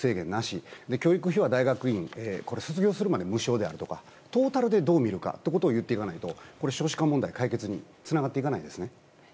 教育費は大学院卒業するまで無償にするとかトータルでどう見るかをいっていかないと少子化問題の解決につながっていかないですね。